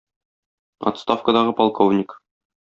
Отставкадагы полковник.